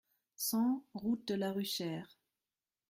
cent route de la Ruchère